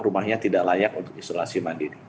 rumahnya tidak layak untuk isolasi mandiri